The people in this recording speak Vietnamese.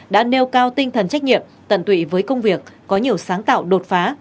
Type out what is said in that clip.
đã nêu cao tinh thần trách nhiệm tận tụy với công việc có nhiều sáng tạo đột phá